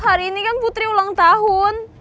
hari ini kan putri ulang tahun